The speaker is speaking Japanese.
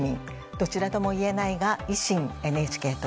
どちらともいえないが維新、ＮＨＫ党。